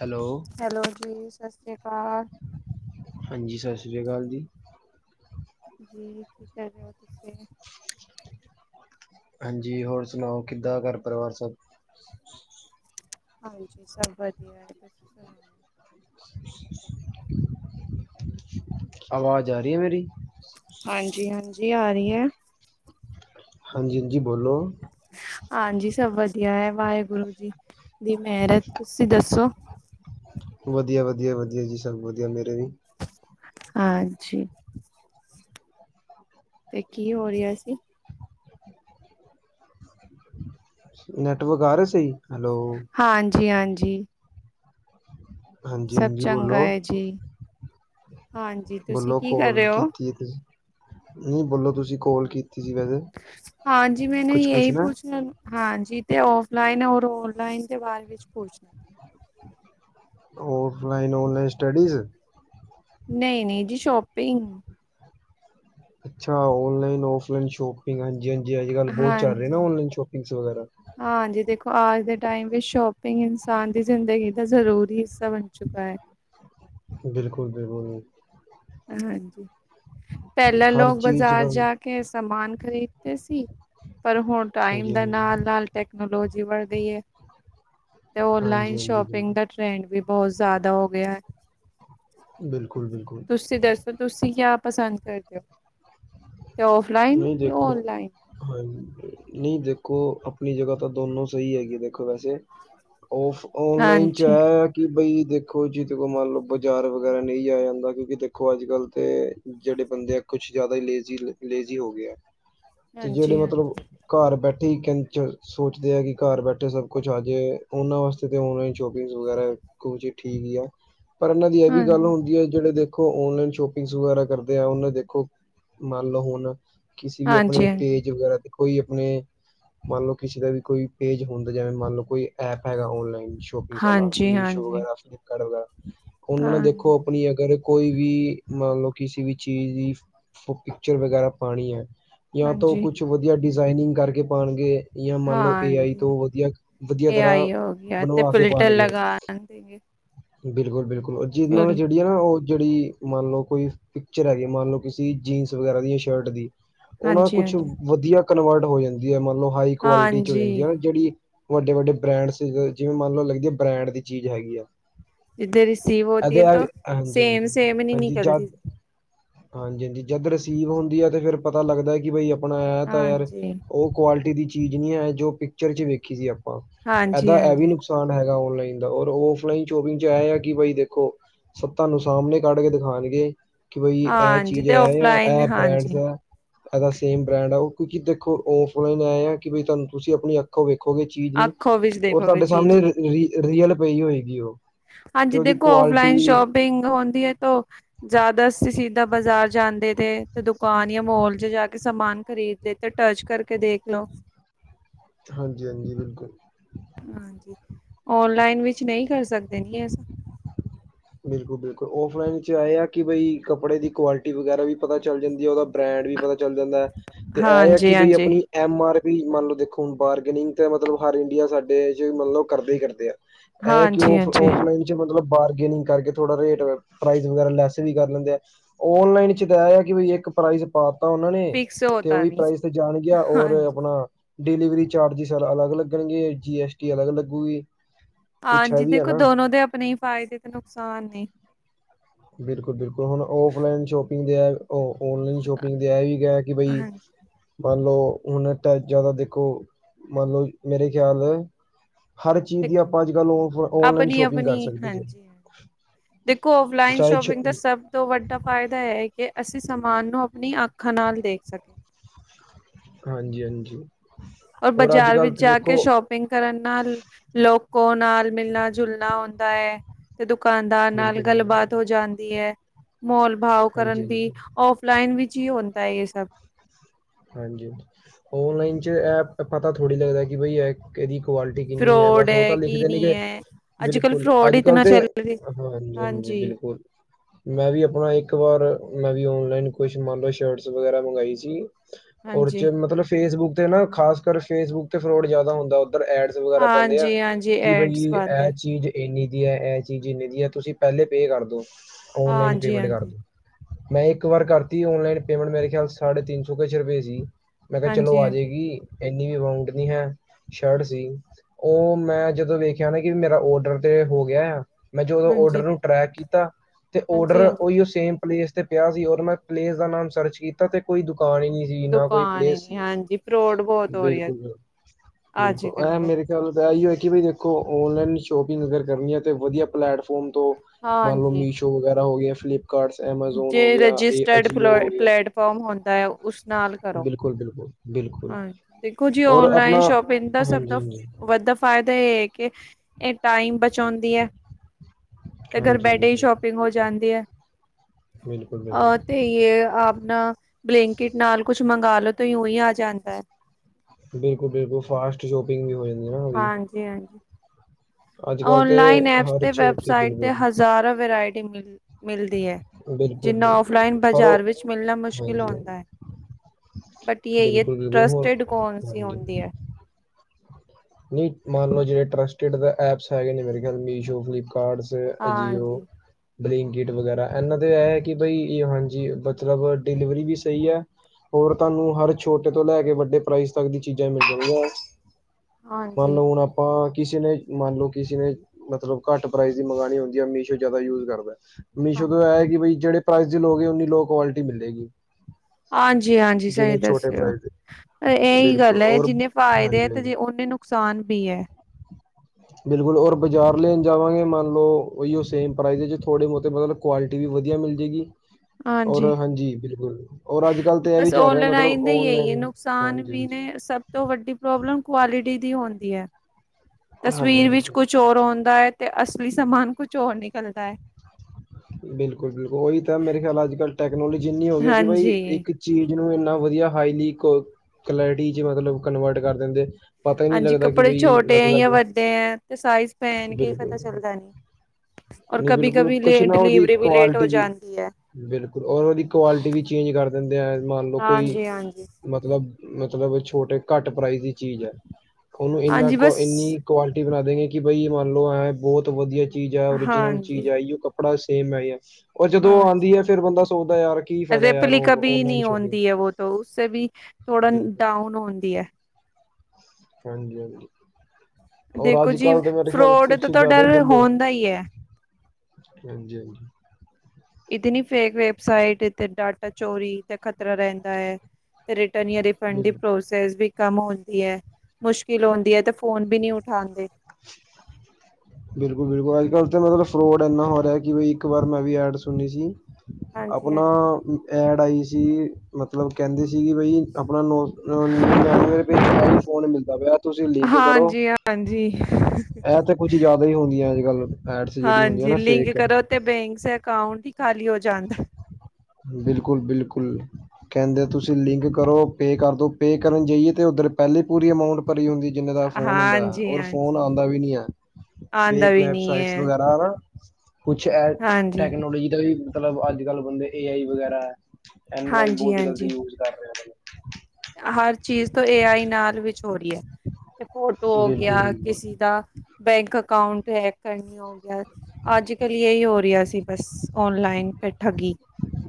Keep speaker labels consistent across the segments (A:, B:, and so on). A: Hello
B: hello ਜੀ ਸਤਿ ਸ਼੍ਰੀ ਅਕਾਲ।
A: ਹਾਂਜੀ ਸਤਿ ਸ਼੍ਰੀ ਅਕਾਲ ਜੀ।
B: ਜੀ ਕੀ ਕਰ ਰਹੇ ਹੋ ਤੁਸੀਂ।
A: ਹਾਂਜੀ ਹੋਰ ਸੁਣਾਓ ਕਿੱਦਾਂ ਘਰ ਪਰਿਵਾਰ ਸਭ।
B: ਹਾਂਜੀ ਸਭ ਵਧੀਆ ਹੈ ਤੁਸੀਂ ਸੁਣਾਓ
A: ਆਵਾਜ਼ ਆ ਰਹੀ ਹੈ ਮੇਰੀ
B: ਹਾਂਜੀ ਹਾਂਜੀ ਆ ਰਹੀ ਹੈ
A: ਹਾਂਜੀ-ਹਾਂਜੀ ਬੋਲੋ
B: ਹਾਂਜੀ ਸਭ ਵਧੀਆ ਹੈ ਵਾਹਿਗੁਰੂ ਜੀ ਦੀ ਮਿਹਰ ਹੈ ਤੁਸੀਂ ਦੱਸੋ [unintelligible]
A: ਵਧੀਆ-ਵਧੀਆ- ਵਧੀਆ ਜੀ ਸਭ ਵਧੀਆ ਮੇਰੇ ਵੀ
B: ਹਾਂਜੀ ਜੀ ਤੇ ਕੀ ਹੋ ਰਿਹਾ ਸੀ
A: ਨੈਟਵਰਕ ਆ ਰਿਹਾ ਸਹੀ ਹੈਲੋ
B: ਜੀ ਹਾਂਜੀ
A: ਹਾਂਜੀ
B: ਸਭ
A: ਹਾਂਜੀ
B: ਚੰਗਾ
A: ਬੋਲੋ
B: ਹੈ ਜੀ ਹਾਂਜੀ ਤੁਸੀਂ
A: ਬੋਲੋ
B: ਕੀ ਕਰ
A: ਕੋਲ
B: ਰਹੇ ਹੋ
A: ਕੀਤੀ ਹੈ ਤੁਸੀ ਨਹੀਂ ਬੋਲੋ ਤੁਸੀਂ ਕੋਲ ਕੀਤੀ ਸੀ ਵੈਸੇ
B: ਹਾਂਜੀ ਮੈਨੂੰ ਇਹੀ ਪੁੱਛਣਾ ਹਾਂਜੀ ਤੇ ੳਫਲਾਈਨ ਤੇ ੳਨਲਾਈਨ ਦੇ ਬਾਰੇ ਵਿੱਚ ਪੁੱਛਣਾ
A: ਔਫਲਾਈਨ ਔਨਲਾਈਨ ਸਟੱਡੀਜ਼
B: ਨਹੀ ਨਹੀ ਜੀ ਸ਼ੋਪਿੰਗ
A: ਅੱਛਾ ਔਨਲਾਈਨ ਔਫਲਾਈਨ ਸ਼ੋਪਿੰਗ ਹਾਂਜੀ ਹਾਂਜੀ ਜੇ ਅੱਜ ਕੱਲ੍ਹ ਬਹੁਤ ਚੱਲ ਰਹੇ ਨਾ
B: ਹਾਂਜੀ
A: ਔਨਲਾਈਨ ਸ਼ੋਪਿੰਗ ਵਗੈਰਾ
B: ਹਾਂਜੀ ਦੇਖੋ ਆਜ ਦੇ ਟਾਇਮ ਵਿੱਚ ਸ਼ੋਪਿੰਗ ਇਨਸਾਨ ਦੀ ਜ਼ਿੰਦਗੀ ਦਾ ਜ਼ਰੂਰੀ ਹਿੱਸਾ ਬਣ ਚੁੱਕਾ ਹੈ [unintelligible]
A: ਬਿਲਕੁਲ- ਬਿਲਕੁਲ
B: ਹਾਂਜੀ ਪਹਿਲਾਂ
A: ਹਰ
B: ਲੋਕ
A: ਚੀਜ਼
B: ਬਾਜ਼ਾਰ
A: ਬੰ-
B: ਜਾ ਕੇ ਸਮਾਨ ਖਰੀਦ ਦੇ ਸੀ ਪਰ ਹੁਣ ਟਾਈਮ
A: ਹਾਂਜੀ
B: ਦੇ
A: ਹਾਂਜੀ
B: ਨਾਲ ਨਾਲ ਟੈਕਨੋਲੋਜੀ ਮੈਂ ਗਈ ਦੇਈਏ ਤੇ ਓਨਲਾਈਨ
A: ਹਾਂਜੀ, ਹਾਂਜੀ
B: ਸ਼ੋਪਿੰਗ
A: ਬਿਲਕੁਲ,
B: ਦਾ ਟ੍ਰੈਂਡ ਵੀ ਬਹੁਤ ਜ਼ਿਆਦਾ ਹੋ ਗਿਆ ਹੈ
A: ਬਿਲਕੁਲ- ਬਿਲਕੁਲ
B: ਤੁਸੀ ਦੱਸੋ ਤੁਸੀ ਕਿਆ ਪਸੰਦ ਕਰਦੇ ਹੋ ਤੇ ਔਫਲਾਈਨ ਤੇ ਔਨਲਾਈਨ
A: ਨਹੀ ਦੇਖੋ ਆਪਣੀ ਜਗ੍ਹਾ ਤਾਂ ਦੋਨੋ ਸਹੀ ਹੈਗੀ ਵੈਸੇ ਫ ਔਨਲਾਈਨ ਚ
B: ਹਾਂਜੀ,
A: ਆ ਕਿ ਬਈ ਦੇਖੋ ਜਿਦੇ ਕੋ ਮੰਨ ਲਓ ਬਾਜ਼ਾਰ ਵਗੈਰਾ ਨਹੀ ਜਾਇਆ ਜਾਂਦਾ ਕਿਉਂਕਿ ਦੇਖੋ ਅੱਜ ਕੱਲ ਤੇ ਜਿਹੜੇ ਬੰਦੇ ਆ ਕੁੱਛ ਜਾਦਾ ਈ ਲੇਜ਼ੀ ਲੇਜ਼ੀ ਹੋ ਗਿਆ ਤੇ ਜੇੜ੍ਹੇ ਮਤਲਬ
B: ਹਾਂਜੀ-ਹਾਂਜੀ,
A: ਘਰ ਬੈ ਠੀਕ ਕਹਿੰ ਚ ਸੋਚਦੇ ਆ ਕਿ ਘਰ ਬੈਠੇ ਸਭ ਕੁੱਛ ਆਜੇ ਉਨਾਂ ਵਾਸਤੇ ਤੇ ਔਨਲਾਈਨ ਸ਼ੋਪਿੰਗ ਵਗੈਰਾ ਕੁਝ ਜੀ ਠੀਕ ਈ ਐ ਪਰ ਏਨਾਂ ਦੀ ਏ ਵੀ ਗੱਲ
B: ਹਾਂਜੀ।
A: ਹੁੰਦੀ ਐ ਜਿਵੇਂ ਦੇ ਦੇਖੋ ਓਨਲਾਈਨ ਸ਼ੋਪਿੰਗਜ ਵਗੈਰਾ ਕਰਦੇ ਆ ਓ ਨੇ ਦੇਖੋ ਮੰਨ ਲਓ ਹੁਣ ਕਿਸੇ ਵੀ ਆਪਣੇ
B: ਹਾਂਜੀ-ਹਾਂਜੀ,
A: ਪੇਜ ਵਗੈਰਾ ਤੇ ਕੋਈ ਆਪਣੇ ਮੰਨ ਲੋ ਕਿਸੇ ਦਾ ਵੀ ਕੋਈ ਪੇਜ ਹੁੰਦਾ ਜੈਵੇ ਮੰਨ ਲੋ ਕੋਈ ਐਪ ਹੈਗਾ ਓਨਲਾਈਨ ਸ਼ੋਪਿੰਗ ਆਲਾ ਮੀਸ਼ੋ
B: ਹਾਂਜੀ-ਹਾਂਜੀ, ਹਾਂਜੀ,
A: ਵਗੈਰਾ ਫਲਿਪਕਾਰਟ ਵਗੈਰਾ ਓਨੂੰ ਨਾ ਨ
B: ਹਾਂਜੀ, ਹਾਂਜੀ।
A: ਦੇਖੋ ਆਪਣੀ ਅਗਰ ਕੋਈ ਵੀ ਮੰਨ ਲੋ ਕਿਸੇ ਵੀ ਚੀਜ਼ ਦੀ ਪਿਕਚਰ ਵਗੈਰਾ ਪਾਣੀ ਐ ਜਾਂ ਤਾਂ
B: ਹਾਂਜੀ
A: ਕੁੱਛ ਵਧੀਆ ਡਿਜ਼ਾਇਨਿੰਗ ਕਰਕੇ ਪਾਣਗੇ ਜਾਂ ਮੰਨ ਲੋ ਏ ਆਈ
B: ਹਾਂਜੀ ਹਾਂਜੀ
A: ਤੋਂ ਵਧੀਆ-ਵਧੀਆ
B: ਏ
A: ਤਰ੍ਹਾਂ
B: ਆਈ ਹੋ ਗਿਆ ਤੇ
A: ਬਣਵਾ ਕੇ
B: ਫਿਲਟਰ
A: ਪਾਣਗੇ।
B: ਲਗਾ ਦੇਗੇ
A: ਬਿਲਕੁੱਲ-ਬਿਲਕੁੱਲ ਓ ਜੀ ਨਾਲ
B: ਫਿਰ
A: ਜਿਹੜੀਆਂ ਨਾ ਓ ਜਿਹੜੀ ਮੰਨ ਲੋ ਕੋਈ ਪਿਕਚਰ ਹੈਗੀ ਮੰਨ ਲੋ ਕਿਸੀ ਜੀਨਸ ਵਗੈਰਾ ਦੀ ਜਾਂ ਸ਼ਰਟ ਦੀ ਓਨਾਂ
B: ਹਾਂਜੀ
A: ਕੁੱਛ
B: ਹਾਂਜੀ
A: ਵਧੀਆ ਕਨਵਰਟ ਹੋ ਜਾਂਦੀ ਐ ਮਤਲਬ ਹਾਈ ਕੁਆਲਿਟੀ ਚ ਹੋ ਜਾਂਦੀ ਐ ਨਾ
B: ਹਾਂਜੀ
A: ਜੇੜੀ ਵੱਡੇ ਵੱਡੇ ਬ੍ਰੈਂਡਸ ਜਿਵੇਂ ਮੰਨ ਲੋ ਲੱਗਦੀ ਬ੍ਰੈਂਡ ਦੀ ਚੀਜ਼ ਹੈਗੀ ਆ
B: ਜਿੱਦੇ ਰਿਸੀਵ ਹੋਤੀ ਹੈ
A: ਇੱਧਰ ਆ
B: ਤਾਂ
A: ਕੇ [unintelligible]
B: ਸੇਮ ਸੇਮ ਨਹੀਂ
A: ਹਾਂਜੀ-ਹਾਂਜੀ-ਹਾਂਜੀ ਜ
B: ਨਿਕਲਦੀ
A: ਹਾਂਜੀ-ਹਾਂਜੀ ਜਦ ਰਿਸੀਵ ਹੁੰਦੀ ਆ ਤੇ ਫੇਰ ਪਤਾ ਲੱਗਦਾ ਕਿ ਬਈ ਆਪਣਾਇਆ ਤਾਂ ਯਾਰ
B: ਹਾਂਜੀ
A: ਓ ਕੁਆਲਿਟੀ ਦੀ ਚੀਜ਼ ਨੀ ਹੈ ਜੋ ਪਿਕਚਰ ਚ ਵੇਖੀ ਸੀ ਆਪ ਆਪਾਂ
B: ਹਾਂਜੀ
A: ਏਦਾ ਐ ਵੀ
B: ਹਾਂਜੀ
A: ਨੁਕਸਾਨ ਹੈਗਾ online [unintelligible] the or offline shopping ਚ, ਏ, ਹੈ। ਕਿ ਬਾਈ ਦੇਖੋ ਸਬ ਤਾਣੁ ਸਾਮਣੇ ਕੱਢ ਕੇ ਦਿਖਾਣਗੇ। ਕੇ ਬਾਈ, ਐ
B: ਹਾਂਜੀ
A: ਚੀਜ਼
B: ਤੇ
A: ਐ ਆ।
B: ਔਫਲਾਈਨ
A: ਐ ਬਰਾਂਡਜ਼
B: ਹਾਂਜੀ
A: ਐ। ਏਦਾ ਸੇਮ ਬ੍ਰੈਂਡ ਆ। ਓ ਕਿਉਂਕਿ ਦੇਖੋ, ਓਫਲਾਈਨ ਐ, ਆ। ਕੀ, ਬਈ ਤੁਹਾਨੂੰ, ਤੁਸੀਂ ਆਪਣੀ ਅੱਖੋਂ ਵੇਖ- ਖੋਗੇ ਚੀਜ਼ ਨੂੰ।
B: ਅੱਖੋਂ ਵਿੱਚ
A: ਔਰ,
B: ਦੇਖੋਗੇ
A: ਤੁਹਾਡੇ
B: ਜੀ
A: ਸਾਮਣੇ
B: ਜੀ
A: ਰੀ, ਰੀਅਲ ਪਈ ਹੋਏਗੀ ਓ।
B: ਹਾਂਜੀ। ਦੇਖੋ ਓਫਲਾਈਨ ਸ਼ੋਪਿੰਗ ਹੁੰਦੀ ਐ। ਤੋ, ਜਾਦਾ [unintelligible] ਜਿੱਦਾ, ਬਾਜ਼ਾਰ ਜਾਂਦੇ ਤੇ, ਤੇ ਦੁਕਾਨ ਜਾਂ ਮੋਲ ਚ ਜਾ ਕੇ, ਸਮਾਨ ਖਰੀਦ ਦੇ, ਤੇ ਟਚ ਕਰਕੇ ਦੇਖ ਲੋ। [unintelligible]
A: ਹਾਂਜੀ-ਹਾਂਜੀ, ਬਿਲਕੁੱਲ।
B: ਹਾਂਜੀ। ਓਨਲਾਈਨ ਵਿੱਚ, ਨਈ ਕਰ ਸਕਦੇ ਜੀ। ਅਸੀਂ। [unintelligible]
A: ਬਿਲਕੁੱਲ- ਬਿਲਕੁੱਲ। ਔਫਲਾਈਨ ਚ ਐ ਆ, ਕਿ ਬਈ ਕੱਪੜੇ ਦੀ, ਕੁਆਲਿਟੀ ਵਗੈਰਾ, ਵੀ ਪਤਾ ਚੱਲ ਜਾਂਦੀ। ਓਦਾ ਬ੍ਰੈਂਡ ਵੀ, ਪਤਾ ਚੱਲ ਜਾਂਦਾ। ਤੇ, ਏ, ਐ,
B: ਹਾਂਜੀ
A: ਕੀ, ਬਈ
B: ਹਾਂਜੀ
A: ਆਪਣੀ ਐਮ ਆਰ ਵੀ, ਮੰਨ ਲੋ, ਦੇਖੋ, ਹੁਣ ਬਾਰਗਨਿੰਗ ਤਾਂ, ਮਤਲਬ ਹਰ ਇੰਡੀਆ, ਸਾਡੇ ਚ ਮਤਲਬ ਕਰਦੇ ਈ ਕਰਦੇ ਆ। ਐ ਈ ਕੀ,
B: ਹਾਂਜੀ ਹਾਂਜੀ
A: ਓਫਲਾਈਨ ਚ, ਮਤਲਬ ਬਾਰਗੇਨਿੰਗ ਕਰਕੇ। ਥੋੜਾ ਰੇਟ, ਪ੍ਰਾਈਜ਼ ਵਗੈਰਾ ਲੈਸ ਵੀ, ਕਰ ਲੈਂਦੇ ਆ। ਔਨਲਾਈਨ ਚ ਤਾਂ, ਐ ਕੀ ਵੀ, ਇੱਕ ਪ੍ਰਾਈਜ਼ ਪਾ ਤਾਂ ਓਨਾਂ ਨੇ,
B: ਫਿਕਸ
A: ਤੇ
B: ਹੋਤਾ
A: ਓਹੀ
B: ਨਹੀਂ
A: ਪ੍ਰਾਈਜ਼ ਤੇ, ਜਾਣ ਗਿਆ। ਔਰ
B: ਹਾਂਜੀ
A: ਆਪਣਾ ਡਿਲੀਵਰੀ ਚਾਰਜਿਸ ਅਲੱਗ ਲੱਗਣਗੇ, ਜੀ ਐੱਸ ਟੀ ਅਲੱਗ ਲਗੁਗੀ।
B: ਹਾਂਜੀ। ਦੇਖੋ, ਦੋਨੋ ਦੇ, ਆਪਣੇ ਈ ਫਾਇਦੇ, ਤੇ ਨੁਕਸਾਨ ਨੇ।
A: ਬਿਲਕੁੱਲ- ਬਿਲਕੁੱਲ, ਹੁਣ ਔਫਲਾਈਨ ਸ਼ੋਪਿੰਗ, ਦੇ ਐ ਓ ਓਨਲਾਈਨ ਸ਼ੋਪਿੰਗ ਦੇ, ਐ ਵੀਗੇ ਕਿ ਬਈ
B: ਹਾਂਜੀ
A: ਮੰਨ ਲੋ, ਹੁਣ ਤਾਂ, ਜਾਂਦਾ ਦੇਖੋ। ਮੰਨ ਲੋ ਮੇਰੇ ਖਿਆਲ ਹਰ ਚੀਜ਼ ਦੀ, ਆਪਾਂ ਅੱਜ ਕੱਲ ਔਫ- ਓਨਲਾਈਨ
B: ਆਪਣੀ
A: ਸ਼ੋਪਿੰਗ ਕਰ
B: ਆਪਣੀ
A: ਸਕਦੇ ਜੇ।
B: ਫਲਾਈਨ
A: ਚਾਹੇ ਛ
B: ਸ਼ੋਪਿੰਗ ਦਾ, ਸਭ ਤੋਂ ਵੱਡਾ, ਫਾਇਦਾ ਐ ਕਿ ਅਸੀਂ, ਸਮਾਨ ਨੂੰ, ਆਪਣੀ ਅੱਖਾਂ, ਨਾਲ ਦੇਖ ਸਕੇ
A: ਹਾਂਜੀ-ਹਾਂਜੀ।
B: ਔਰ, ਬਾਜ਼ਾਰ ਵਿੱਚ, ਜਾ ਕੇ ਸ਼ੋਪਿੰਗ ਕਰਨ ਨਾਲ। ਲੋਕੋ ਨਾਲ, ਮਿਲਣਾ- ਜੁਲਣਾ ਹੁੰਦਾ ਐ। ਤੇ, ਦੁਕਾਨਦਾਰ ਨਾਲ,
A: ਬਿਲਕੁਲ ਬਿਲਕੁਲ
B: ਗੱਲਬਾਤ ਹੋ, ਜਾਂਦੀ ਐ। ਮੋਲ ਬਾਵ
A: ਹਾਂਜੀ
B: ਕਰਨ ਦੀ,
A: ਹਾਂਜੀ
B: ਔਫਲਾਈਨ ਵਿੱਚ ਈ, ਹੁੰਦਾ ਏ ਸਭ।
A: ਹਾਂਜੀ। ਓਨਲਾਈਨ ਚ ਐ ਪਤਾ ਥੋੜੀ, ਲੱਗਦਾ ਕਿ ਬਈ, ਐ ਏਦੀ ਕੁਆਲਿਟੀ ਕਿੰਨੀ ਐ।
B: ਫਰੋਡ
A: ਬਸ, ਓ
B: ਹੈ
A: ਤਾਂ
B: ਕੀ
A: ਲਿਖਦੇ
B: ਨਹੀਂ
A: ਨੇਗੇ।
B: ਹੈ ਅੱਜ ਕੱਲ
A: ਬਿਲਕੁੱਲ,
B: ਫਰੋਡ
A: ਅੱਜ ਕੱਲ
B: ਇਤਨਾ
A: ਤੇ,
B: ਚੱਲ ਰਿਹਾ
A: ਹਾਂਜੀ- ਹਾਂਜੀ। ਬਿਲਕੁੱਲ। ਮੈਂ ਵੀ, ਆਪਣਾ ਇੱਕ ਵਾਰ ਮੈਂ, ਵੀ ਓਨਲਾਈਨ ਕੁਛ, ਮੰਨ ਲਓ, ਸ਼ਰਟਸ ਵਗੈਰਾ ਮੰਗਾਈ ਸੀ। ਓਰ ਚ
B: ਹਾਂਜੀ
A: ਮਤਲਬ ਫੇਸਬੁੱਕ ਤੇ ਨਾ ਖਾਸ ਕਰ, ਫੇਸਬੁੱਕ ਤੇ ਫਰੋਡ, ਜ਼ਿਆਦਾ ਹੁੰਦਾ। ਅੱਛਾ ਜੀ। ਐਡਸ, ਵਗੈਰਾ ਪਾਉਂਦੇ ਆ।
B: ਹਾਂਜੀ ਹਾਂਜੀ
A: ਕਿ ਬਈ,
B: ਐਡਸ ਪਾਂਦੇ
A: ਇਹ
B: ਆ।
A: ਚੀਜ਼ ਇੰਨੀ। ਇਹ ਚੀਜ਼ ਇਨੇ ਦੀ ਹੈ। ਤੁਸੀਂ ਪਹਿਲੇ ਪੇ ਕਰਦੋ, ਓਨਲਾਈਨ
B: ਹਾਂਜੀ
A: ਪੇਮੈਂਟ
B: ਹਾਂਜੀ
A: ਕਰਦੋ। ਮੈਂ, ਇੱਕ ਵਾਰ, ਕਰਤੀ ਓਨਲਾਈਨ ਪੇਮੈਂਟ, ਮੇਰੇ ਖਿਆਲ ਸਾਢੇ ਤਿੰਨ ਸੌ, ਕੁਛ ਰੁਪਏ ਸੀ। ਮੈਂ ਕਿਹਾ, ਚਲੋ
B: ਹਾਂਜੀ ਹਾਂਜੀ
A: ਆਜਏਗੀ। ਇੰਨੀ ਵੀ ਅਮਊਂਡ ਦੀਆਂ ਸ਼ਰਟ ਸੀ। ਉਹ ਮੈਂ ਜਦੋਂ, ਵੇਖਿਆ ਨਾ ਕਿ ਮੇਰਾ ਔਡਰ ਤੇ। ਹਾਂਜੀ। ਹੋ ਗਿਆ ਆ। ਮੈਂ ਜਦਦੋਂ ਔਡਰ
B: ਹਾਂਜੀ
A: ਨੂੰ ਟਰੈਕ ਕੀਤਾ, ਤੇ ਔਡਰ
B: ਹਾਂਜੀ ਹਾਂਜੀ
A: ਉਹੀ ਉਹ ਸੇਮ। ਪਲੇਸ ਤੇ ਪਿਆ ਸੀ। ਔਰ ਮੈਂ ਪਲੇਸ ਦਾ ਨਾਮ ਸਰਚ ਕੀਤਾ, ਤੇ ਕੋਈ ਦੁ- ਆਣੀ ਨੀ ਸੀ, ਨਾ ਕੋਈ
B: ਦੁਕਾਨ ਹੀ
A: ਪਲੇਸ
B: ਨੀ
A: ਸੀ
B: ਹਾਂਜੀ ਫਰੋਡ ਬਹੁਤ ਹੋ ਰਿਹਾ
A: ਬਿਲਕੁਲ-ਬਿਲਕੁਲ।
B: ਅੱਜ
A: ਬਿਲਕੁਲ,
B: ਕੱਲ
A: ਐ
B: ਤਾਂ
A: ਮੇਰੇ, ਖਿਆਲ ਤਾਂ ਆਈ ਹੋ। ਕਿ ਬਾਈ ਦੇਖੋ, ਔਨਲਾਈਨ ਸ਼ੋਪਿੰਗ, ਅਗਰ ਕਰਨੀ ਹੈ। ਤਾਂ ਵਧੀਆ, ਪਲੈਟਫੋਮ। ਮੰਨ ਲਓ
B: ਹਾਂਜੀ
A: ਮੀਸ਼ੋ, ਵਗੈਰਾ ਹੋ ਗਿਆ। ਫਲਿਪ-
B: ਜੇ ਰਜਿਸਟਰਡ,
A: ਹੋ ਗਿਆ
B: ਪਲੇਟਫਾਰਮ ਹੁੰਦਾ। ਉਸ ਨਾਲ ਕਰੋ।
A: ਬਿਲਕੁਲ ਬਿਲਕੁਲ ਬਿਲਕੁਲ
B: ਹਾਂ, ਦੇਖੋ ਜੀ
A: ਔਰ
B: ਓਨਲਾਈਨ
A: ਆਪਣਾ
B: ਸ਼ੋਪਿੰਗ ਦਾ ਸਭ।
A: ਹਾਂਜੀ ਹਾਂਜੀ
B: ਵੱਾ ਫਾਇਦਾ ਇਹ ਹੈ। ਕੇ, ਇਹ, ਟਾਈਮ ਬਚਾਉਂਦੀ ਹੈ। ਤੇ, ਘਰ
A: ਹਾਂਜੀ
B: ਬੈਡੇ ਹੀ
A: ਹਾਂਜੀ
B: ਸ਼ੋਪਿੰਗ ਹੋ, ਜਾਂਦੀ ਹੈ।
A: ਬਿਲਕੁਲ ਬਿਲਕੁਲ
B: ਅਹ, ਤੇ ਇਹ, ਆਪ ਨਾ, ਬਲੈਂਕਟ ਨਾਲ, ਕੁਛ ਮੰਗਾ ਲੋ। ਤੋਂ, ਹੀ ਉਹੀ, ਆ ਜਾਂਦਾ ਹੈ।
A: ਬਿਲਕੁਲ ਬਿਲਕੁ ਫਾਸਟ ਸ਼ੌਪਿੰਗ ਵੀ ਹੋਏ ਜਾਂਦੀ ਹ।
B: ਹਾਂ ਜੀ ਹਾਂਜੀ।
A: ਅੱਜ ਕੱਲ ਤੇ
B: ਆਨਲਾਈਨ ਐਪਸ
A: ਹਰ
B: ਤੇ
A: ਛੋਟੀ
B: ਵੈੱਬਸਾਈਟ ਤੇ
A: ਬਿਲਕੁਲ
B: ਹਜ਼ਾਰ ਵਰਾਇਟੀ ਮਿਲਦੀ ਹੈ
A: ਬਿਲਕੁਲ
B: ਜਿੰਨਾ
A: ਬਿਲਕੁਲ
B: ਆਫਲਾਈਨ
A: ਪਰ
B: ਬਾਜ਼ਾਰ
A: ਉਹ
B: ਵਿੱਚ ਮਿਲਣਾ ਮੁਸ਼ਕਿਲ ਆਉਂਦਾ ਹੈ। ਹਾਂਜੀ ਆਹ ਗਲ ਹੈ। ਬਟ ਯ ਯ
A: ਬਿਲਕੁਲ ਬਿਲਕੁਲ ਹੋਰ
B: ਟਰੱਸਟਡ ਕੌਣ ਸੀ
A: ਹਾਂਜੀ
B: ਹੁੰਦੀ ਹੈ।
A: ਨਹੀਂ ਮੰਨ ਲਓ ਜਿਹੜੇ ਟੱਸਟਡ ਐਪਸ ਹੈਗੇ ਨੇ ਮੇਰੇ ਖਿਆਲ ਮੀਸ਼ੋ ਫਲਿਪਕਾਰਟ। ਬ ਅ ਜਿਓ।
B: ਹਾਂਜੀ
A: ਹਾਂਜੀ। ਬਲਿੰਕ ਗੇਟ ਵਗੈਰਾ ਇਹਨਾਂ ਦੇ ਇਹ ਹੈ ਕਿ ਬਈ ਇਹ ਹਾਂਜੀ ਮਤਲਬ ਡਲੀਵਰੀ ਵੀ ਸਹੀ ਹੈ। ਹੋਰ ਤੁਹਾਨੂੰ ਹਰ ਛੋਟੇ ਤੋਂ ਲੈ ਕੇ ਵੱਡੇ ਪ੍ਰਾਈਜ਼ ਤੱਕ ਦੀ ਚੀਜ਼ਾਂ ਮਿਲ ਜਾਣੀਆਂ।
B: ਹਾਂਜੀ
A: ਮੰਨਲਬ ਹੁਣ ਆਪਾਂ। ਕਿਸੇ ਨੇ ਮੰਨ ਲਓ ਕਿਸੇ ਨੇ ਮਤਲਬ ਘੱਟ ਪ੍ਰਾਈਜ਼ ਦੀ ਮੰਗਉਣੀ ਹੁੰਦੀ ਹੈ ਮੀਸ਼ੋ ਜ਼ਿਆਦਾ ਯੂਜ ਕਰਦਾ। ਮੀਸ਼ੋ
B: ਹਾਂ
A: ਤੋਂ ਇਹ ਹੈ ਕਿ ਬਈ ਜਿਹੜੇ ਪ੍ਰਾਈਜ਼ ਦੇ ਲੋਗੇ ਉਨੀ ਲੋਅ ਕੁਆਲਿਟੀ ਮਿਲੇਗੀ।
B: ਹਾਂਜੀ ਹਾਂਜੀ ਸਹੀ
A: ਜਿਹਨੇ ਛੋਟੇ
B: ਦੱਸਿਓ।
A: ਪ੍ਰਾਈਸ ਦੇ
B: ਇਹੀ
A: ਬਿਲਕੁਲ
B: ਗੱਲ ਹੈ
A: ਔਰ
B: ਜਿੰਨੇ ਫਾਇਦੇ
A: ਹਾਂਜੀ
B: ਹੈ
A: ਹਾਂਜੀ
B: ਤੇੇ ਓਨੇ ਨੁਕਸਾਨ ਵੀ ਹੈ।
A: ਬਿਲਕੁਲ ਔਰ ਬਾਜ਼ਾਰ ਲੈਣ ਜਾਵਾਂਗੇ ਮੰਨ ਲਓ ਉਹੀਓ ਸੇਮ ਪ੍ਰਾਈਸ ਥੋੜੇ ਬਹੁਤੇ ਮਤਲਬ ਕੁਆਲਿਟੀ। ਵੀ ਵਧੀਆ ਮਿਲ ਜਾਏਗੀ। ਔਰ ਹਾਂਜੀ ਬਿਲਕੁਲ ਔਰ ਅੱਜਕਲ ਤਾਂ ਇਹ ਵੀ
B: ਬਸ
A: ਚੱਲ ਰਿਹਾ ਮਤਲਬ
B: ਔਨਲਾਈਨ ਦੇ ਯਹੀ ਹੈ
A: ਓਨਲਾਈਨ
B: ਨੁਕਸਾਨ
A: ਹਾਂਜੀ।
B: ਵੀ
A: ਹਾਂਜੀ
B: ਨੇ ਸਭ ਤੋਂ ਵੱਡੀ ਪ੍ਰੋਬਲਮ ਕੁਆਲਿਟੀ। ਹੁੰਦੀ ਹੈ
A: ਹਾਂਜੀ
B: ਤਸਵੀਰ ਵਿੱਚ
A: ਹਾਂਜੀ
B: ਕੁਛ ਹੋਰ ਹੁੰਂਦਾ ਹੈ। ਤੇ ਅਸਲੀ ਸਮਾਨ ਕੁਛ ਹੋਰ ਨਿਕਲਦਾ ਹੈ।
A: ਬਿਲਕੁਲ ਬਿਲਕੁਲ ਉਹੀ ਤਾਂ ਮੇਰੇ ਖਿਆਲ ਅੱਜ ਕੱਲ ਟੈਕਨੋਲੋਜੀ ਇੰਨੀ ਹੋ ਗ ਹੈ ਕਿ ਬਾਈ
B: ਹਾਂਜੀ,
A: ਇੱਕ ਚੀਜ਼ ਜਿਹਨੂੰ ਇੰਨਾ ਵਧੀਆ ਹਾਈਲੀ ਕੋ ਕਲੈਰਿਟੀ 'ਚ ਮਤਲਬ ਕਨਵਰਟ ਕਰ ਦਿੰਦੇ ਹਾਂਜੀ ਐਵੇਂ ਹੀ ਆ।
B: ਹਾਂਜੀ ਕੱਪੜੇ ਛੋਟੇ ਹੈ ਜਾਂ ਵੱਡੇ ਹੈ ਤੇ ਸਾਈਜ਼ ਪਹਿਨ ਕੇ ਪਤਾ
A: ਬਿਲਕੁਲ
B: ਚੱਲਦਾ ਨੀ ਹਾਂਜੀ ਸਾਈਜ਼ ਦਾ ਪਹਿਣ ਕੇ ਪਤਾ ਲੱਗਦਾ ਹੈਗਾ। ਔਰ
A: ਨਹੀਂ
B: ਕਭੀ
A: ਬਿਲਕੁਲ
B: ਕਭੀ
A: ਕੁਛ
B: ਲ
A: ਨਾ ਉਹਦੀ
B: ਡਲੀਵਰੀ ਵੀ ਲੇਟ ਹੋ
A: ਕੁਆਲਿਟੀ ਵੀ
B: ਜਾਂਦੀ ਹੈ।
A: ਬਿਲਕੁਲ ਔਰ ਉਹਦੀ ਕੁਆਲਿਟੀ ਵੀ ਚੇਂਜ ਕਰ ਦਿੰਦੇ ਆ ਮੰਨ ਲਓ ਕੋਈ
B: ਹਾਂਜੀ, ਹਾਂਜੀ।
A: ਮਤਲਬ। ਹਾਂਜੀ ਫੋਟੋ ਚੇ ਤੱਕ ਅੱਛੀ ਕੁਆਲਿਟੀ ਦਿਖਦੀ ਹੈਗੀ। ਮਤਲਬ ਛੋਟੇ ਘੱਟ ਪ੍ਰਾਈਜ਼ ਦੀ ਚੀਜ਼ ਹੈ ਉਹਨੂੰ ਇਨਾ
B: ਹਾਂਜੀ
A: ਕੁ
B: ਬਸ,
A: ਇੰਨੀ ਕੁਆਲਿਟੀ। ਬਣਾ ਦਗੇ ਕਿ ਬਈ ਮੰਨ ਲ ਲੋਓ ਐਂ ਬਹੁਤ ਵਧੀਆ ਚੀਜ਼ ਹੈ ਓਰੀਜਨਲ ਚੀਜ਼
B: ਹਾਂਜੀ,
A: ਹੈ ਕੱਪੇ ਹਾਂਜੀ। ਕੱਪੜਾ ਸੇਮ ਹੈ। ਉਹ ਜਦੋਂ ਉਹ ਆਉਂਦੀ
B: ਹਾਂਜੀ।
A: ਹੈ ਫਿਰ ਬੰਦਾ ਸੋਚਦਾ ਯਾਰ ਕੀ ਫਾਇਦਾ ਯਾਰ
B: ਰਿਪਲੀ ਕਭੀ
A: ਓਨਲਾਈਨ
B: ਨਹੀਂ
A: ਸ਼ੋਪਿੰਗ।
B: ਹੁੰਦੀ ਹੈ ਵੋ ਤੋ ਉਸਸੇ ਵੀ ਥੋੜਾ
A: ਦਾ ਬਿਲਕੁਲ
B: ਡਾਊਨ ਹੁੰਦੀ ਹੈ।
A: ਹਾਂਜੀ ਹਾਂਜੀ। ਔਰ
B: ਦੇਖੋ
A: ਅਜ
B: ਜੀ
A: ਕੱਲ ਤਾਂ ਮੇਰੇ ਖਿਆਲ
B: ਫਰੋਡ
A: ਕੁਛ
B: ਦਾ ਤਾਂ
A: ਜ਼ਿਆਦਾ ਹੀ
B: ਡਰ
A: ਬੰਦੇ।
B: ਹੋਂਦਾ ਹੀ ਹੈ।
A: ਹਾਂਜੀ ਹਾਂਜੀ।
B: ਇਤਨੀ ਫੇਕ ਵੈਬਸਾਈਟ ਅਤੇ ਡਾਟਾ ਚੋਰੀ ਦਾ ਖ਼ਤਰਾ ਰਹਿੰਦਾ ਹੈ। ਤੇ ਰਿਟਰਨ ਜਾਂ ਰਿਫੰਡ ਦੀ
A: ਬਿਲਕੁਲ
B: ਪ੍ਰੋਸੈਸ ਵੀ। ਕੰਮ ਹੁੰਦੀ ਹੈ ਮੁਸ਼ਕਿਲ ਆਉਂਦੀ ਹੈ ਤੇ ਫੋਨ ਵੀ ਨਹੀ ਉਠਾਉਂਦੇ।
A: ਬਿਲਕੁਲ ਬਿਲਕੁਲ ਅੱਜ ਕੱਲ ਤੇ ਮਤਲਬ ਫਰੋਡ ਇਨਾ ਹੋਆ। ਇਹ ਕਿ ਬਈ ਇੱਕ ਵਾਰ ਮੈਂ ਵੀ ਐਡ ਸੁਣੀ ਸੀ।
B: ਹਾਂਜੀ
A: ਆਪਣਾ
B: ਹਾਂਜੀ।
A: ਐਡ ਆਈ ਸੀ। ਜੀ ਮਤਲਬ ਕਹਿੰਦੇ ਸੀ ਕਿ ਬਈ ਆਪਣਾ ਨਨਿਆਵੇਂ ਰੁਪਏ ਵਿੱਚ ਆਈ ਫੋਨ ਮਿਲਦਾ ਪਿਆ ਤੁਸੀਂ ਲਿੰਕ ਕਰੋ।
B: ਹਾਂਜੀ ਹਾਂਜੀ
A: ਇਹ ਤਾਂ ਕੁੱਛ ਜ਼ਿਆਦਾ ਹੀ ਹੁੰਦੀ ਹੈ ਅੱਜ ਕੱਲ। ਐਡਸ ਜਿਹੜੀ ਹੁੰਦੀਆਂ
B: ਹਾਂਜੀ
A: ਨਾ
B: ਲਿੰਕ
A: ਫੇਕ
B: ਕਰੋ ਤੇ ਬੈਂਕਸ ਅਕਾਉਂਟ ਹੀ ਖਾਲੀ ਹੋ ਜਾਂਣ।
A: ਬਿਲਕੁਲ ਬਿਲਕੁਲ। ਕਹਿੰਦੇ ਤੁਸੀਂ ਲਿੰਕ ਕਰੋ ਪੇ ਕਰਦੋ ਪੇ ਕਰਨ ਜਾਈਏ ਤੇ ਉੱਧਰ ਪਹਿਲੇ ਪੂਰੀ ਅਮਾਊਂਟ ਭਰੀ ਹੁੰਦੀ। ਜਿੰਨੇ ਦਾ ਫੋਨ ਹੁੰਦਾ
B: ਹਾਂਜੀ
A: ਫੋਨ
B: ਹਾਂਜੀ
A: ਆਉਂਦਾ ਵੀ ਨੀ ਹੈ
B: ਆਉਂਦਾ
A: ਫੇਕ
B: ਵੀ ਨਹੀਂ
A: ਵੈਬਸਾਈਟ
B: ਹੈ
A: ਵਗੈਰਾ ਨਾ। ਕੁਛ ਇਹ
B: ਹਾਂਜੀ।
A: ਟੈਕਨੋਲੋਜੀ ਦਾ ਵੀ ਮਤਲਬ ਅੱਜ ਕੱਲ੍ਹ ਬੰਦੇ ਏ ਆਈ ਵਗੈਰਾ ਹੈ। ਐਨਾਲਾਇਜ
B: ਹਾਂਜੀ
A: ਬਹੁਤ ਗਲਤ
B: ਹਾਂਜੀ
A: ਯੂਜ ਕਰਦੇ ਨੇ।
B: ਹਰ ਚੀਜ਼ ਫੋਟੋ ਹੋ ਗਿਆ
A: ਬਿਲਕੁਲ ਬਿਲਕੁਲ
B: ਕਿਸੇ ਦਾ ਬੈਂਕ ਅਕਾਊਂਟ। ਹੈਂਕ ਕਰਨੀ ਹੋ ਗਿਆ ਅੱਜ ਕੱਲ ਇਹੀ ਹੋ ਰਿਹਾ ਸੀ ਬਸ ਓਨਲਾਈਨ ਬੈ ਠਗੀ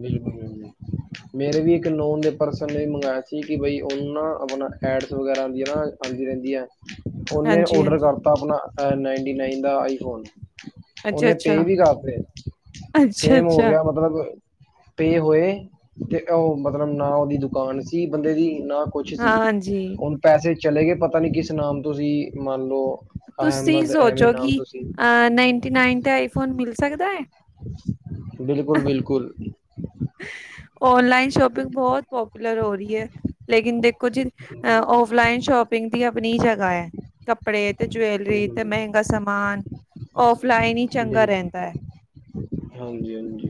A: ਬਿਲਕੁਲ ਬਿਲਕੁਲ। ਮੇਰੇ ਵੀ ਇੱਕ ਲੋਨ ਦੇ ਪਰਸਨ ਨੇ ਵੀ ਮੰਗਵਾਇਆ ਸੀ ਕਿ ਬਈ ਉਹ ਨੂੰ ਨਾ ਆਪਣਾ ਐਡਸ ਵਗੈਰਾ ਆਦੀ ਰਹਿੰਦੀ ਆ ਉਹਨੇ
B: ਹਾਂਜੀ
A: ਔਡਰ
B: ਹਾਂਜੀ
A: ਕਰਤਾ ਆਪਣਾ ਨਾਈਟੀ ਨਾਇਨ ਦਾ ਆਈਫੋਨ।
B: ਅੱਛਾ
A: ਉਹਨੇ
B: ਅੱਛਾ
A: ਪੇ ਵੀ ਕਰਤੇ
B: ਅੱਛਾ
A: ਸੇਮ ਹੋ
B: ਅੱਛਾ
A: ਗਿਆ ਮਤਲਬ ਪੇ ਹੋਏ ਤੇ ਉਹ ਮਤਲਬ ਨਾ ਉਹਦੀ ਦੁਕਾਨ ਸੀ ਬੰਦੇ ਦੀ ਨਾ ਕੁਛ ਸੀ
B: ਹਾਂਜੀ
A: ਹੁਣ ਪੈਸੇ ਚਲੇ ਗਏ ਪਤਾ ਨੀ ਕਿਸ ਨਾਮ ਤੋਂ ਸੀ ਮੰਨ ਲਓ
B: ਤੁਸੀਂ
A: ਅਹਿਮਦ ਐਵੇਂ
B: ਸੋਚੋ
A: ਨਾਮ
B: ਕਿ
A: ਤੋਂ ਸੀ
B: ਅ ਨਾਈਨਟੀ ਨਾਈਨ ਤੇ ਆਈਫੋਨ ਮਿਲ ਸਕਦਾ ਹੈ।
A: ਬਿਲਕੁਲ ਬਿਲਕੁਲ।
B: [inaudible] ਔਨਲਾਈਨ ਸ਼ੋਪਿੰਗ ਬਹੁਤ ਪੋਪੂਲਰ ਹੋ ਰਹੀ ਹੈ ਲੇਕਿਨ ਦੇਖੋ ਜੀ ਔਫਲਾਈਨ ਸ਼ੋਪਿੰਗ ਦੀ ਆਪਣੀ ਜਗ੍ਹਾ ਹੈ ਕੱਪੜੇ ਤੇ ਜੈਲਰੀ ਤੇ
A: ਬਿਲਕੁਲ,
B: ਮਹਿੰਗਾ ਸਮਾਨ। ਔਫਲਾਈਨ ਹੀ ਚੰਗਾ ਰਹਿੰਦਾ ਹੈ।
A: ਹਾਂਜੀ ਹਾਂਜੀ।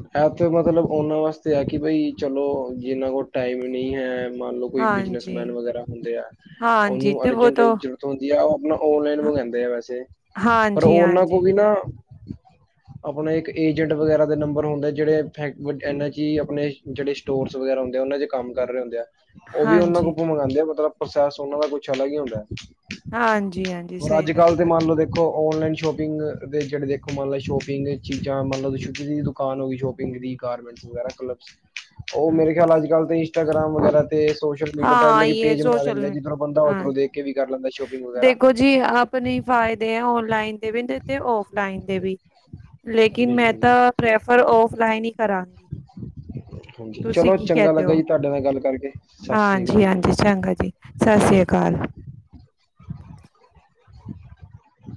A: ਇਹ ਤੇ ਮਤਲਬ ਉਹਨਾਂ ਵਾਸਤੇ ਹੈ ਕਿ ਬਈ ਚਲੋ ਜਿੰਨਾਂ ਕੋਲ ਟਾਈਮ ਨਹੀਂ ਹੈ। ਮੰਨਲਓ ਕੋਈ
B: ਹਾਂਜੀ
A: ਬਿਜਨਸਮੈਨ ਵਗੈਰਾ ਹੁੰਦੇ ਆ
B: ਹਾਂਜੀ
A: ਉਹਨੂੰ
B: ਤੇ ਵੋ
A: ਅਰਜੈਂਟ
B: ਤਾਂ
A: ਜ਼ਰੂਰੀ ਹੁੰਦੀ ਆ ਉਹ ਆਪਣਾ ਓਨਲਾਈਨ
B: ਹਾਂ,
A: ਮੰਗਉਂਦੇ ਆ ਵੈਸੇ ਪਰ
B: ਹਾਂਜੀ
A: ਉਹਨਾਂ
B: ਹਾਂਜੀ
A: ਕੋਲ ਵੀ ਨਾ
B: [inaudible]
A: ਆਪਣਾ ਇੱਕ ਏਜੰਟ ਵਗੈਰਾ ਦੇ ਨੰਬਰ ਹੁੰਦਾ ਜਿਹੜੇ [unintelligible] ਆਪਣੇ ਜਿਹੜੇ ਸਟੋਰ ਵਗੈਰਾ ਕਰਾਉਦੇ ਉਹਨਾਂ ਚ ਕੰਮ ਕਰ ਰਹੇ ਹੁੰਦੇ ਆ। ਉਹ ਵੀ ਉਹਨਾ
B: ਹਾਂਜੀ
A: ਕੋ ਮੰਗਉਂਦੇ ਮਤਲਬ ਪ੍ਰੋਸੈਸ ਉਹਨਾ ਦਾ ਕੁਛ ਅਲੱਗ ਹੀ ਹੁੰਦਾ।
B: ਹਾਂਜੀ ਹਾਂਜੀ
A: ਹੋਰ
B: ਸਹੀ
A: ਅੱਜ ਕੱਲ ਤੇ
B: ਦੱਸਿਆ
A: ਮੰਨ ਲਓ ਦੇਖੋ। ਔਨਲਾਈਨ ਸ਼ੋਪਿੰਗ ਦੇ ਜਿਹੜੇ ਦੇਖੋ ਮੰਨ ਲਉ ਸ਼ੋਪਿੰਗ ਚੀਜ਼ਾਂ ਮੰਨ ਲਉ ਤੁਸਾ ਕਿਸੇ ਦੀ ਦੁਕਾਨ ਹੋ ਗਈ ਸ਼ੋਪਿੰਗ ਦੀ ਗਾਰਮੈਟਸ ਵਗੈਰਾ ਉਹ ਮੇਰੇ ਖਿਆਲ ਅੱਜ ਕਲ ਇੰਸਟਾਗ੍ਰਾਮ ਵਗੈਰਾ ਤੇ ਸੋਸ਼ਲ ਮੀਡੀਆ
B: ਹਾਂ
A: ਤੇ
B: ਇਹ
A: ਪੇਜ ਬਣਾ ਲੇਦੇ
B: ਸੋਸ਼ਲ
A: ਨੇ
B: ਮੀ
A: ਜਦੋਂ ਬੰਦਾ
B: ਹਾਂ
A: ਉਧਰੋ ਦੇਖ ਵੀ ਕਰ ਲੈਂਦਾ ਸ਼ੋਪਿੰਗ ਵਗੈਰਾ
B: ਦੇਖੋ ਜੀ ਆਪਣੇ ਫਾਇਦੇ ਆ ਓਨਲਾਈਨ ਦੇ ਵੀ ਤੇ ਔਫਲਾਈਨ ਦੇ ਵੀ। ਲੇਕਿਨ ਮੈਂ
A: ਬਿਲਕੁਲ ਜੀ
B: ਤਾਂ ਪ੍ਰੈਫਰ ਔਫਲਾਈਨ ਹੀ ਕਰਾਂ।
A: ਹਾਂਜੀ ਚਲੋ ਚੰਗਾ
B: ਕਹਿਤੇ
A: ਲੱਗਾ
B: ਹੋ
A: ਜੀ ਤੁਹਾਡੇ ਨਾਲ ਗੱਲ ਕਰਕੇ। ਸਤਿ ਸ੍ਰੀ
B: ਹਾਂਜੀ
A: ਅਕਾਲ ਜੀ
B: ਹਾਂਜੀ ਚੰਗਾ ਜੀ ਸਤਿ ਸ੍ਰੀ ਅਕਾਲ।
A: [inaudible]